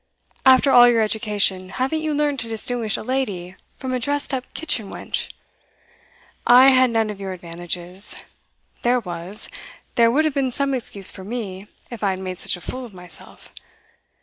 After all your education, haven't you learnt to distinguish a lady from a dressed up kitchen wench? I had none of your advantages. There was there would have been some excuse for me, if I had made such a fool of myself.